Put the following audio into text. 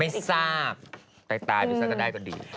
ไม่ทราบใต้ตายมีสักหน้าก็ดี